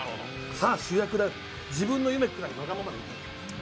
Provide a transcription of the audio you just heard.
さあ主役だよ、自分の夢くらいわがままでいさせて。